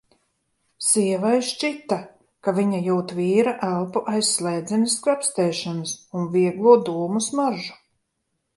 Sievai šķita, ka viņa jūt vīra elpu aiz slēdzenes skrapstēšanas un vieglo dūmu smaržu.